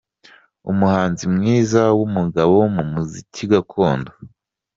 Umuhanzi mwiza w’umugabo mu muziki gakondo.